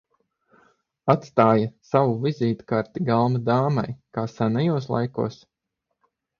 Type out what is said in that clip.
Atstāja savu vizītkarti galma dāmai, kā senajos laikos?